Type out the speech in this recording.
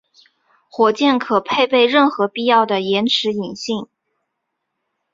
火箭可配备任何必要的延迟引信。